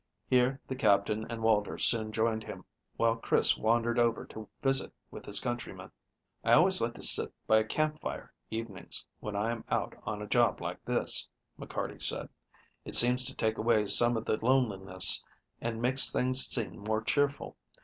Here the Captain and Walter soon joined him, while Chris wandered over to visit with his countrymen. "I always like to sit by a camp fire evenings, when I am out on a job like this." McCarty said. "It seems to take away some of the loneliness, and makes things seem more cheerful.